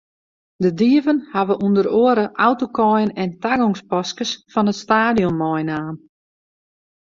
De dieven hawwe ûnder oare autokaaien en tagongspaskes fan it stadion meinaam.